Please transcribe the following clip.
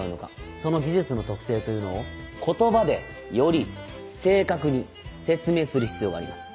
その技術の特性というのを言葉でより正確に説明する必要があります。